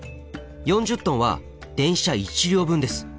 ４０ｔは電車１両分です。